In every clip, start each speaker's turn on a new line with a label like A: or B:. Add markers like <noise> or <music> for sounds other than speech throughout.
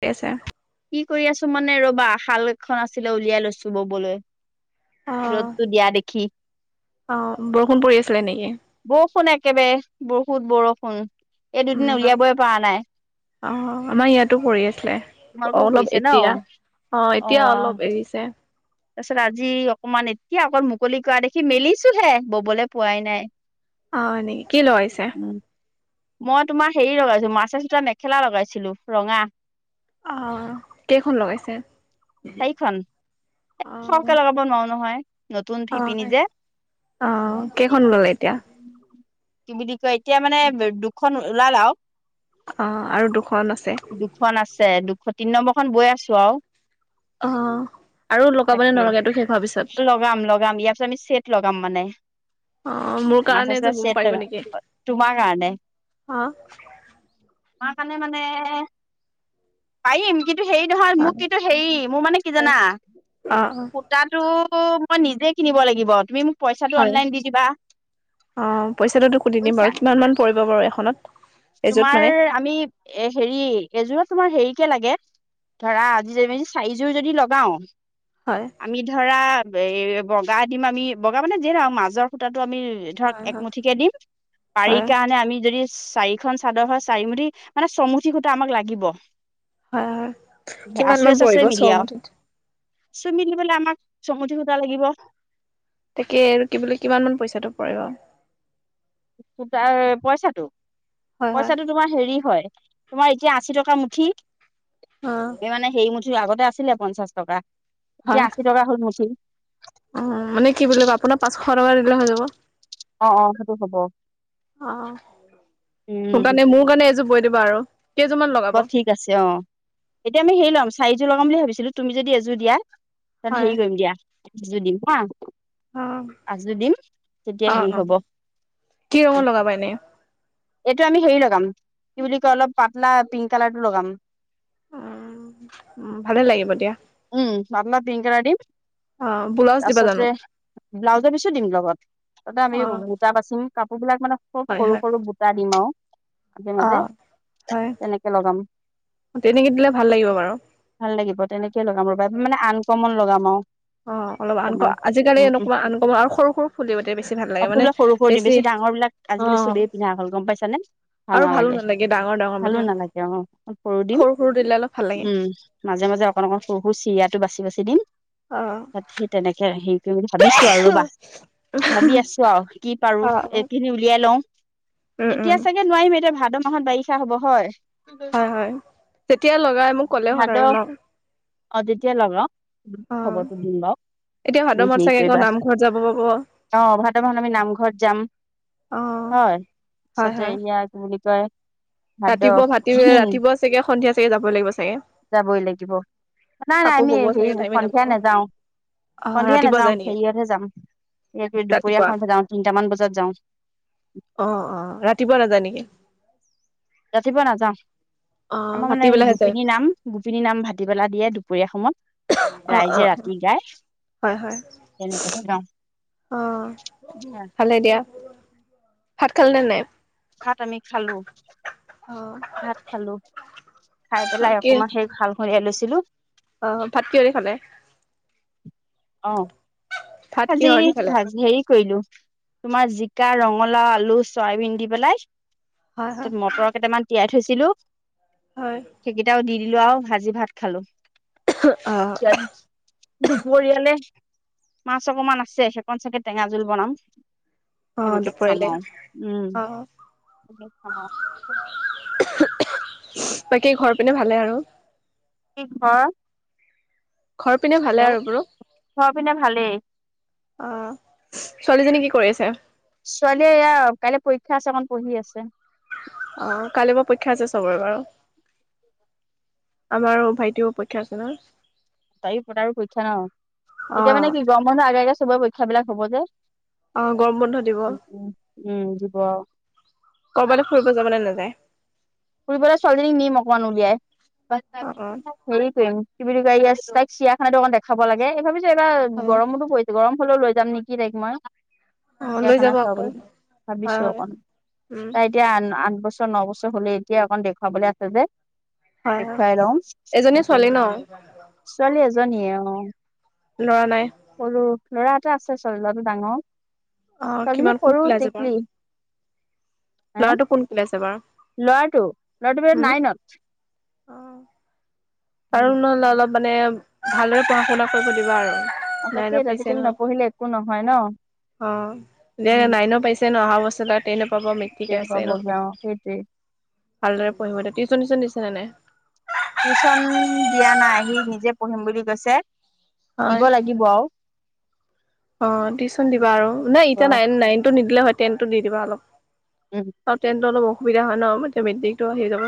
A: ঠিক আছে।
B: কি কৰি আছো মানে ৰবা। শাল এখন আছিলে উলিয়াই লৈছো ববলৈ।
A: অ',
B: ৰ'দটো দিয়া দেখি
A: অ', বৰষুণ পৰি আছিলে নেকি?
B: বৰষুণ একেবাৰে বহুত বৰষুণ, এই দুদিন উলিয়াবই পৰা নাই।
A: অহ', আমাৰ ইয়াতো পৰি আছিলে,
B: তোমালোকেও
A: অলপ
B: কৰিছে ন
A: এতিয়া অ'
B: অ
A: এতিয়া অলপ এৰিছে।
B: তাৰপিছত আজি অকমান এতিয়া আকৌ মুকলি কৰা দেখি মেলিছো হে, ববলৈ পোৱাই নাই।
A: হয়', নেকি কি লগাইছা?
B: উম, মই তোমাৰ হেৰি লগাইছো, মাছৰা সোতাৰ মেখেলা লগাইছিলো, ৰঙা।
A: অ', কেইখন লগাইছে?
B: চাৰিখন
A: অ
B: সৰহকে লগাব নোৱাৰো নহয়, নতুন
A: অ
B: শিপিনী যে।
A: অ',
B: এই
A: কেইখন ল'লে এতিয়া?
B: কি বুলি কয়, এতিয়া মানে দুখন ওলাল আৰু।
A: অ', আৰু দুখন আছে।
B: দুখন আছে, দুখন তিনি নম্বৰ খন বৈ আছো আৰু।
A: অ', আৰু লগাবনে
B: তাকে
A: নলগাই, এইতো শেষ হোৱাৰ পিছত?
B: লগাম লগাম, ইয়াৰ পিছত আমি চেট লগাম মানে।
A: অ' মোৰ
B: মাছ
A: কাৰণে
B: আছে
A: এযোৰ বোৱ
B: চেট
A: পাৰিব
B: লগাম
A: নেকি,
B: তোমাৰ কাৰণে
A: হা।
B: তোমাৰ কাৰণে মানে, পাৰিম কিন্তু কিন্তু হেৰি নহয়,
A: অ
B: মোক কিন্ত হেৰি, মোৰ মানে কি জানা
A: অ অ
B: সুতাতো মই নিজে কিনিব লাগিব, তুমি মোক পইচাটো
A: হয়,
B: অনলাইন দি দিবা
A: অ' পইচাটোতো কৰি দিম
B: বুজিছা
A: বাৰু, কিমান মান পৰিব বাৰু এখনত? এযোৰত
B: তোমাৰ
A: মানে
B: আমি, এ হেৰি এযোৰত তোমাৰ হেৰি কে লাগে ধৰা আজি, আমি যদি চাৰিযোৰ লগাওঁ
A: হয়।
B: আমি ধৰা এ বগা দিম আমি, বগা মানে যে ধৰা মাজৰ সুতাটো আমি ধৰক
A: হয় হয়
B: একমুঠিকে দিম, পাৰি
A: হয়
B: মানে আমি যদি চাৰিখন চাদৰ হয়, চাৰিমুঠি মানে চ' মুঠি খুটা আমাক লাগিব।
A: হয়, হয়, কিমান মান পৰিব চয় মুঠিত?
B: চব মিলিবলে আমাক, চমুঠি সুটা লাগিব।
A: তাকে আৰু কি বোলে কিমান মান পইচাটো পৰিব?
B: সোটাৰ পইচাটো,
A: হয় হয়
B: পইচাটো তোমাৰ হেৰি হয়, তোমাৰ এতিয়া আশী টকা মুঠি,
A: অ
B: এই মানে হে মুঠি আগতে আছিলে পঞ্চাশ টকা, এতিয়া আশী টকা হ'ল মুঠি।
A: উম, মানে কি বুলি কয় আপোনাক পাঁচশ টকা দিলে হৈ যাব।
B: অ', অ'সেইটো হ'ব।
A: অ', মোৰ
B: উম
A: কাৰণে, মোৰ কাৰণে এইযোৰ বৈ দিবা আৰু, কেইযোৰমান লগাব?
B: বৰ ঠিক আছে অ', এতিয়া আমি হেৰি ল'ম চাৰিযোৰ লগাম বুলি ভাবিছিলো, তুমি যদি এযোৰ দিয়া তাত
A: হয়
B: হেৰি কৰিম দিয়া, এযোৰ দিম হা।
A: অ
B: পাচযোৰ দিম, তেতিয়া
A: অ
B: হেৰি
A: অ
B: হ'ব।
A: কি ৰঙৰ লগাবা এনেই
B: এইটো আমি হেৰি লগাম, কি বুলি কয় অলপ পাতলা পিংক কালাৰটো লগাম।
A: উম, উম ভালে লাগিব দিয়া।
B: উম, পাতলা পিং কালাৰ দিম।
A: অ', বোলাউজ দিবা জানো?
B: তাৰপিছতে ব্লাউজৰ পিছো দিম লগত। তাতে আমি
A: অ
B: বুটা বাচিম, কাপোৰ বিলাক মানে খুব
A: হয়
B: সৰু
A: হয়
B: -সৰু বুটা দিম আৰু। মাজে মাজে
A: অ', হয়
B: তেনেকে লগাম
A: তেনেকে দিলে ভাল লাগিব বাৰু।
B: ভাল লাগিব তেনেকয়ে লগাম ৰ'বা, মানে আনকমন লগাম আৰু।
A: অ', অলপ
B: অকমান
A: আনকমন, আজিকালি
B: উম উম
A: এনেকুৱা আনকমন আৰু সৰু -সৰু ফুল দিৱ, তেতিয়া বেছি ভাল
B: অ
A: লাগে,
B: ফুলে
A: মানে
B: সৰু সৰু দিম
A: বেছি
B: ডাঙৰ বিলাক আজিকালি
A: অ
B: চবেই পিন্ধা হ'ল, গম পাইছানে? ভাল
A: আৰু ভালো
B: নালাগে,
A: ডাঙৰ ডাঙৰ
B: ভালো
A: বিলাক
B: নালাগে অ', অ' সৰু দিম,
A: সৰু দিলে অলপ ভাল লাগে
B: উম। মাজে মাজে, অকণ অকণ, সৰু সৰু, চিৰিয়াটো বাচি বাচি, দিম।
A: অ
B: তাত সেই তেনেকে হেৰি কৰিম বুলি ভাবিছো আৰু ৰবা। ভাবি আছো আৰু কি পাৰো
A: অ
B: এইখিনি উলিয়াই লওঁ।
A: উম
B: এতিয়া
A: উম
B: চাগে নোৱাৰিম এতিয়া ভাদ মাহত বাৰিষা হব হয়।
A: হয় হয়, যেতিয়া লগাই মোক ক'লে হ'ল
B: ভাদ
A: আৰু ন?
B: অ যেতিয়া লগাও
A: অ
B: খবৰটো দিম বাৰু,
A: এতিয়া ভাদ
B: তুমি
A: মাহত
B: হেৰি
A: চাগে আকৌ
B: কৰিবা।
A: নামঘৰত যাব পাব অ
B: অ ভাদ মাহত আমি নামঘৰত যাম। হয়
A: হয়
B: পিছতে
A: হয়
B: ইয়াৰ কি বুলি কয় ভাদ
A: ৰাতিপুৱা ভাটি হয়,
B: আহিন
A: ৰাতিপুৱা চাগে সন্ধিয়া চাগে যাব লাগিব চাগে?
B: যাবই লাগিব নাই নাই
A: কাপোৰ
B: আমি
A: বব
B: এ হেৰি
A: চাগে টাইমে
B: সন্ধিয়া
A: নাপাব
B: নাযাওঁ।
A: অ
B: সন্ধিয়া
A: ৰাতিপুৱা যায়
B: নাযাওঁ
A: নেকি
B: হেৰিয়তহে যাম, এ তোৰ দুপৰীয়া
A: ৰাতিপুৱা
B: সময়তহে যাওঁ, তিনিটামান বজাত যাওঁ।
A: অহ অহ ৰাতিপুৱা নাযায় নেকি?
B: ৰাতিপুৱা নাযাওঁ,
A: অ
B: আমাৰ মানে সেই
A: ভাটিবেলাহে যায়
B: গোপিনী নাম গোপিনীৰ নাম ভাটি বেলা দিয়ে দুপৰীয়া সময়ত।
A: অ অ
B: ৰাইজে ৰাতি গায়,
A: হয় হয়
B: তেনেকেহে গাওঁ।
A: অ, ভালে দিয়া, ভাত খালেনে নাই?
B: ভাত আমি খালো।
A: অ
B: ভাত খালো, খাই পেলাই
A: কি
B: অকমান সেই শালখন উলিয়াই লৈছিলো।
A: অ ভাত কিহৰে খালে?
B: অ।
A: ভাত
B: আজি
A: কিহৰ দি খালে?
B: ভাজি হেৰি কৰিলো, তোমাৰ জিকা, ৰঙালাও, আলু, চয়াবিন দি পেলাই
A: হয় হয়
B: তে মটৰ কেইটামান তিয়াই থৈছিলো।
A: হয়।
B: সেইকেইটাও দি দিলো আৰু ভাজি ভাত খালো।
A: হু অ।
B: ইয়াত দুপৰীয়ালে মাছ অকমান আছে সেইকণ চাগে টেঙা জোল বনাম।
A: অ'
B: তেনেকে খাম
A: দুপৰলে
B: আৰু উম
A: অ'
B: তেনেকে খাম আৰু।
A: বাকী ঘৰৰ পিনে ভালে আৰু?
B: কি ঘৰ?
A: ঘৰ পিনে ভালে
B: হেল্ল'
A: আৰু বোলো।
B: ঘৰ পিনে ভালেই
A: অ, ছোৱালীজনী কি কৰি আছে?
B: ছোৱালীয়ে এয়া কাইলৈ পৰীক্ষা আছে অকণ পঢ়ি আছে।
A: অ কাইলৈ পৰা পৰীক্ষা আছে চবৰে বাৰু। আমাৰো ভাইটিৰো পৰীক্ষা আছে নহয়।
B: <unintelligible> আৰু পৰীক্ষা ন এতিয়া মানে
A: অ'
B: কি গৰম বন্ধৰ আগে আগে চবৰে পৰীক্ষাবিলাক হ'ব যে।
A: অ গৰম বন্ধ দিব।
B: উম উম উম দিব।
A: ক'ৰবালৈ ফুৰিব যাব নে নাযায়?
B: ফুৰিবলৈ ছোৱালীজনীক নিম অকমান উলিয়াই।
A: অ' অ'
B: <unintelligible> হেৰি কৰিম কি বুলি কয় এইয়া তাইক চিৰিয়াখানাটো অকমাণ দেখাব লাগে সেই ভাবিছো এবাৰ
A: হয়
B: গৰমতো পৰি তে গৰম হলেও লৈ যাম নেকি তাইক মই?
A: অ' লৈ
B: চিৰিয়াখানা
A: যাব আকৌ
B: চোৱাবলৈ
A: হয়
B: ভাবিছো
A: হয়
B: অকণ,
A: উম
B: তাই এতিয়া আন আঠ বছ ত ন বছৰ হলে এতিয়া অকণ দেখুৱাবলৈ আছে যে।
A: হয় হয়
B: দেখুৱাই লওঁ
A: এজনী
B: সেইটো
A: ছোৱালী ন
B: ছোৱালী এজনীয়ে অ।
A: ল'ৰা নাই।
B: সৰু ল'ৰা এটা আছে ছোৱালী লৰাটো ডাঙৰ,
A: অ'
B: ছোৱালীজনী
A: কিমান কোন
B: সৰু
A: ক্লাছ এইবাৰ
B: টিকলি। হে
A: ল'ৰাটো কোন ক্লাছ এইবাৰ?
B: ল'ৰাটো? ল'ৰাটো <unintelligible>
A: উম
B: নাইনত।
A: অ। পাৰুং নহ'লে অলপ মানে ভালদৰে পঢ়া শুনা কৰিব দিবা আৰু।
B: অ তাকে
A: নাইনত পাইছে
B: আজিকালি নপঢ়িলে একো ন
A: নহয়। অ, নে
B: উম
A: নাইনো পাইচ আছে ন অহা বচলে তেনত পাব, মেট্ৰিকে
B: টেন
A: আছে
B: পাব অ
A: ন।
B: সেইটোৱে
A: ভালদৰে পঢ়িব দে। টিউশন চিছন দিছেনে নাই?
B: টিউশন দিয়া নাই। সি নিজে পঢ়িম বুলি কৈছে। দিব
A: হয়
B: লাগিব আও।
A: অ টিউশচন দিবা আৰু। নাই এতিয়া নাইন নাইন টো নিদিল' হয়, টেনটো দি দিবা অলপ।
B: উম
A: আৰু টেনতো অলপ অসুবিধা হয় ন। <unintelligible> মেড্ৰিকতটো আহি যাব।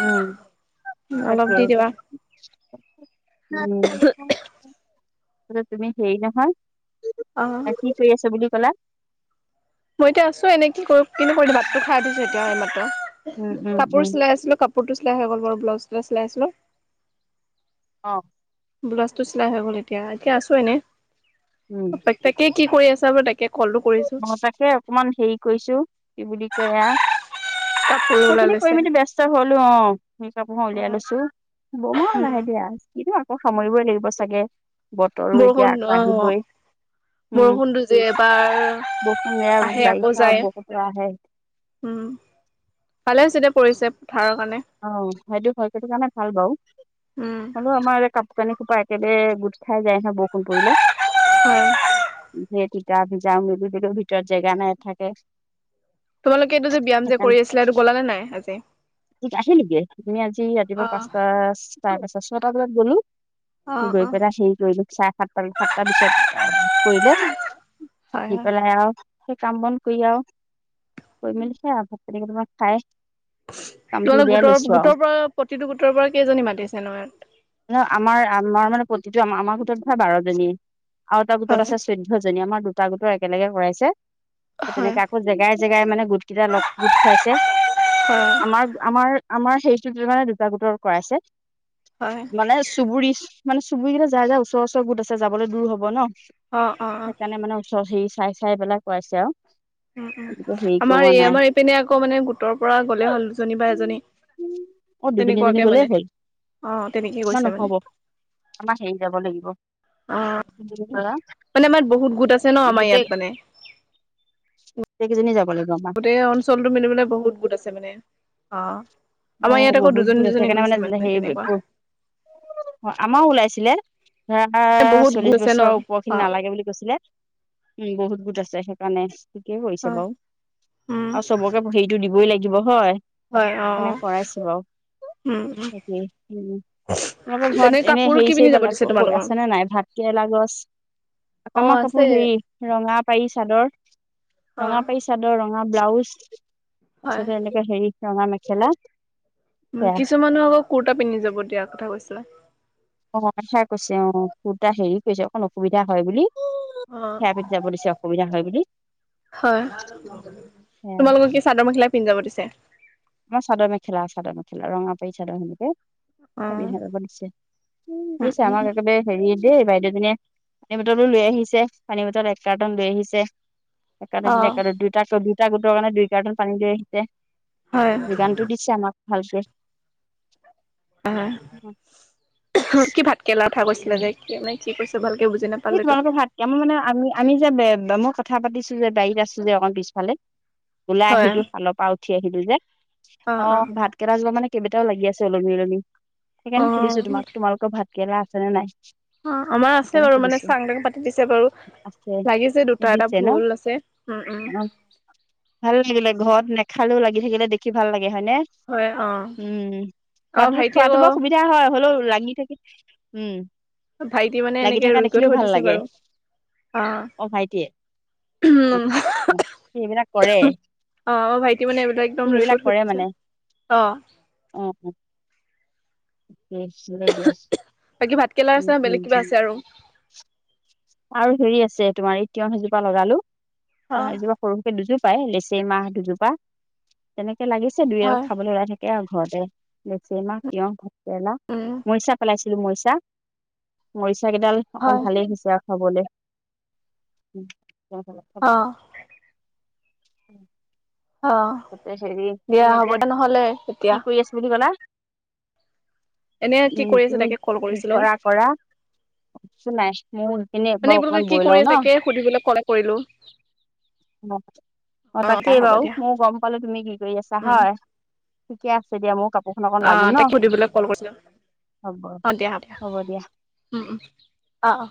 B: উম,
A: অলপ
B: তাকে,
A: দি দিবা
B: উম। তুমি হেৰি নহয়,
A: অ
B: কি কৰি আছ বুলি ক'লা?
A: মই এতিয়া আছো এনে। কি কৰো কি ন কৰি ভাতটো খাই দিছো এতিয়া
B: উম
A: এইমাত।
B: উম
A: কাপোৰ
B: উম
A: চিলাই আছিলো কাপ পুৰটো চিলাই হৈ গ'ল বাৰু। ব্লাউচ <unintelligible> চিলাই আছিলোঁ।
B: অ।
A: ব্লাউজ টো চিলাই হৈ গ'ল এতিয়া। এতিয়া আছো এনে।
B: উম
A: তাক তাকে, কি কৰি আছা <unintelligible> তাকে কলটো কৰিছো
B: অ, তাকে অকমান হেৰি কৰিছো, কি বুলি কয় এয়া।
A: কাপোৰ ওলাই
B: সেইখিনি কৰি
A: লৈছে
B: মেলি ব্যস্ত হলো অ। <unintelligible> কাপোৰখন
A: অ
B: উলিয়াই লৈছো। বম
A: উম
B: লাহে দি কিনো আকৌ সামৰিবই লাগিব চাগে? বতৰো এতিয়া
A: বৰষুণ অ
B: আকৌ আহিবই। উম।
A: বৰষুণটো যে এবাৰ
B: <unintelligible>
A: আহে আকৌ
B: বাৰিষা
A: যায়
B: <unintelligible>
A: উম। পালে হৈছে দে পৰিছে। পথাৰৰ কাৰণে
B: অ সেইটো <unintelligible> কাৰণে ভাল বাও
A: উম
B: <unintelligible> আমাৰ কাপোৰ কানি খোপা একেদৰে গোট খাই যায় ন বৰষুণ পৰিলে?
A: হয়।
B: সেইতিতা ভিজা <unintelligible> ভিতৰত জেগা নাই থাকে।
A: তোমালোকে এইটো যে ব্যায়াম যে কৰি আছিলা, এইটো গলা নে নাই আজি?
B: কি আহি লিগে? নে আজি
A: অ
B: ৰাতিপুৱাৰ পাঁচটা সায়ে পাঁচটা, ছটা বজাত গ'লো।
A: অ
B: গৈ
A: অ'
B: পেলাই হেৰি কৰিলো। চাৰে সাতটা সাতটা বিছত আহ কৰিলে।
A: হয়
B: দি
A: হয়
B: পেলাই আৱ সেই কাম বন কৈ আৱ, কৰি মেলি সে আ ভাত পানী কেইটামান খাই। কামটো
A: তোমালোকে
B: উলিয়াই
A: গোটৰ
B: লৈছো আৰু
A: গোটৰ পৰা প্ৰতিটো গোটৰ পৰা কেইজনী মাতিছে নহয়?
B: আমাৰ আমাৰ মানে প্ৰতিটো আমা আমা গোটত হয় বাৰজনী আৰু এটা গোটত আছে চৈ ধ্য জনী। আমাৰ দুটা গোটৰ একেলগে কৰাইছে। ত'
A: হয়
B: তেনেকে আকৌ জেগাই জেগাই মানে গোট কেইটা লগ গোট খুৱাইছে।
A: <unintelligible>
B: আমাৰ আমাৰ আমাৰ সেইটো মানে দুটা গোটৰ কৰাইছে।
A: হয়
B: মানে চুবুৰী মানে চুবুৰী কিটা যাৰ যাৰ ওচৰ ওচৰ গোট আছে। যাবলে দূৰ হব ন?
A: অ অ অ
B: সেইকাণে মানে ওচৰ হেৰি চাই চাই পেলাই কুৱাইছে আৱ।
A: উম উম। আমাৰ এই আমাৰ ইপিনে আকৌ মানে গোটৰ পৰা গ'লে হ'ল দুজনী বা এজনী।
B: অ, দুজনী এজনী
A: তেনেকুৱাকে মানে
B: গলেই হ'ল?
A: অ, তেনেকে।
B: না
A: কৈছে মানে
B: নহব। আমা হেৰি যাব লাগিব।
A: অ মানে আমাৰ বহুত
B: <unintelligible>
A: গোট আছে ন আমাৰ ইয়াত
B: গোটেই
A: মানে
B: গোটেই কেইজনী যাব লাগিব।
A: এই অঞ্চলটো মেলি পিলে বহুত গোট আছে মানে। অঁ'
B: অ
A: আমাৰ ইয়াত আকৌ
B: বহুত
A: দুজনী
B: দূৰ আছে
A: দুজনী গৈছে মানে তেনেকুৱা।
B: অ' আমাৰো ওলাইছিলে, ধৰা
A: বহুত গোট
B: চল্লিশ
A: আছে ন
B: বছৰ ওপৰ
A: অ
B: খিনি নালাগে বুলি কৈছিলে। উম' বহুত গোট আছে সেইকাৰণে। ঠিকেই
A: অ
B: কৰিছে বাৰু,
A: উম
B: আৰু চবকে হেৰিটো দিবই লাগিব হয়।
A: হয় অ অ
B: মানে কৰাইছো বাও
A: উম
B: সেইটোৱে, উম'। তোমালোকৰ ঘৰত,
A: এনে
B: এনেই
A: কাপোৰ কি
B: হেৰি
A: পিন্ধি
B: চেৰি
A: যাব
B: পালে
A: দিছে তোমালোকৰ
B: আছে নে নাই? ভাত কেৰেলা গছ।
A: অ
B: আকামা
A: আছে
B: কাপোৰ হেৰি ৰঙা পাৰি চাদৰ,
A: অ
B: ৰঙা পাৰি- চাদৰ, ৰঙা ব্লাউজ
A: হয়
B: তাৰপিছতে, এনেকে হেৰি, ৰঙা মেখেলা।
A: উম'
B: সেয়া
A: কিছুমানৰ আকৌ কুৰ্তা পিন্ধি যাব দিয়া কথা কৈছিলে।
B: অঁ' সেয়াই কৈছে অঁ, কোৰটা হেৰি কৈছে অকণ অসুবিধা হয় বুলি।
A: অ
B: সেয়া পিন্ধি যাব দিছে, অসুবিধা হয় বুলি।
A: হয়,
B: সেয়া
A: তোমালোকক কি চাদৰ-মেখেলাই পিন্ধি যাব দিছে?
B: আমা, চাদৰ-মেখেলা, চাদৰ-মেখেলা, ৰঙা পাৰী চাদৰ সেনেকে।
A: অ
B: হে পিন্ধি যাব দিছে,
A: উম
B: দিছে
A: উম
B: আমাক একেবাৰে- হেৰিয়ে দেই, বাইদেউজনীয়ে পানীৰ বটলটো লৈ আহিছে, পানীৰ বটল এক কাৰ্টন লৈ আহিছে। এককাৰটোন
A: অ
B: এপিনে দুইটাকো দুইটা গোটৰ কাৰণে দুই কাৰ্টন পানী লৈ আহিছে।
A: হয়।
B: গানটো দিছে আমাক ভালকে।
A: আঁহ' কি ভাত কেৰেলা কথা কৈছিলা যে। কেনে কি কৈছ, ভালকে বুজি নাপালো এইতো।
B: কেমে মানে, আমি যে কথা পাতিছোঁ, যে বাৰীত আছোঁ যে অকণ পিছফালে। ওলাই
A: অ
B: আহিলো শালৰ পা উঠি আহিলো যে,
A: অ
B: অঁ ভাত- কেইটা যোৱা মানে, কেবেটাও লাগি আছে ওলমি ওলমি,
A: অ
B: সেইকাৰণে সুধিছোঁ তোমাক তোমালোক- ক ভাত'কেৰেলা আছে নে নাই?
A: অঁ' আমাৰ আছে
B: সেইকাৰণে
A: বাৰু মানে,
B: সুধিছো
A: চাং টাং পাতি দিছে বাৰু।
B: আছে
A: লাগিছে দুটা, এটা
B: দিছে ন
A: ভুল আছে, উম' উম'।
B: অ ভাল লাগিলে, ঘৰত নেখালেও লাগি থাকিলে দেখি ভাল লাগে, হয় নে?
A: হয় অ
B: উম'
A: অ
B: খোৱাটো,
A: ভাইটি
B: খোৱাটো
A: আকৌ
B: বৰ সুবি- সুবিধা হয়, হ'লও লাগি থাকি, উম'।
A: ভাইটি মানে
B: লাগি
A: এনেকে
B: থকা
A: ৰুই কৈ
B: দেখিলেও
A: থৈ
B: ভাল
A: দিছে
B: লাগে,
A: বাৰু
B: অ ভাইটিয়ে। সেইবিলাক কৰে।
A: অঁ' অঁ, ভাইটি মানে এইবিলাক
B: সি
A: একদম ৰেকট কৰি থৈছে, অঁ।
B: অঁ' ঠিকেই আছিলে দিয়া।
A: বাকী, ভাতকেলা আছে
B: উম
A: না
B: উম
A: বেলেগ কিবা
B: উম
A: আছে আৰু?
B: আৰু, হেৰি আছে তোমাৰ এই তিয়হ এজোপা লগালো,
A: অ
B: তিয়হ এইজোপা- সৰুকে সৰুকে দুজোপাই, লেচেই মাহ দুজোপা তেনেকে লাগিছে, দুই এটা
A: হয়
B: খাবলে ওলাই থাক- কে আৰু ঘৰতে, লেচেইমাহ, তিয়হ, ভাতকেৰেলা,
A: উম
B: মৰিচা পেলাইছিলোঁ মৰিচা। মৰিচা কেইডাল অকমান
A: হয়
B: ভালেই হৈছে আৰু
A: অ
B: খাবলে।
A: অ
B: তাতে, হেৰি
A: দিয়া
B: তুমি
A: হ'ব
B: এতিয়া
A: দে নহ'লে এতিয়া
B: কি কৰি আছো বুলি ক'লা?
A: এনে কি
B: উম'
A: কৰি আছে
B: তুমি
A: তাকে কল
B: কি
A: কৰিছিলো।
B: কৰা, কৰা। কচোন নাই, মোৰো এইপিনে
A: মানে
B: এবাৰ
A: এইবোলোকে
B: অকমান
A: কি
B: বৈ
A: কৰি
B: লওঁ ন।
A: তাকে সুধিবলৈ কলে কৰিলো
B: অঁ,
A: অ দা
B: তাকেই
A: হ'ব
B: বাৰু,
A: দিয়া
B: মও গম- অকলে তুমি কি কৰি আছা
A: উম
B: হয়? ঠিকেই আছে দিয়া, মও কাপ-
A: আ‍ঁহ, তাকে সুধিবলৈ ক'ল কৰিছিলোঁ,
B: হ'ব
A: অঁ' দিয়া হ'ব দিয়া। উম, উম, অ' অ'।